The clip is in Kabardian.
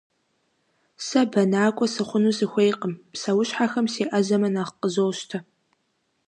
Сэ бэнакӏуэ сыхъуну сыхуейкъым, псэущхьэхэм сеӏэзэмэ нэхъ къызощтэ.